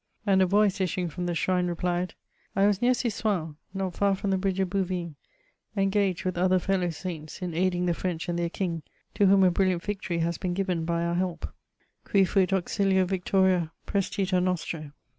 And a voice issuing from the shrine replied, '^ 1 was near Cisoing, not far from the bridge of Bouvines, engaged, with other fellow saints, in aiding the French and their King, to whom a bril liant victory has been given by our help :• Cui fuit auzilio victoria prsestita nostro.'